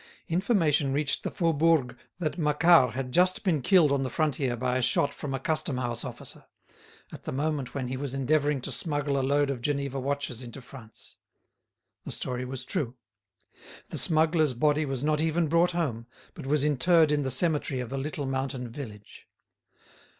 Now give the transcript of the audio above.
Information reached the Faubourg that Macquart had just been killed on the frontier by a shot from a custom house officer, at the moment when he was endeavouring to smuggle a load of Geneva watches into France. The story was true. The smuggler's body was not even brought home, but was interred in the cemetery of a little mountain village.